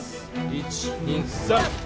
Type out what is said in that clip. １２３！